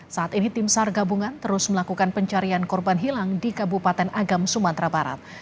saat ini tim sar gabungan terus melakukan pencarian korban hilang di kabupaten agam sumatera barat